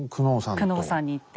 久能山に行って。